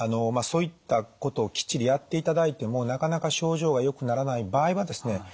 そういったことをきっちりやっていただいてもなかなか症状がよくならない場合はですね